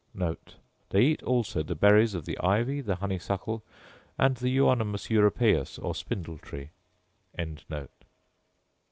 They eat also the berries of the ivy, the honeysuckle, and the euonymus europaeus, or spindle tree.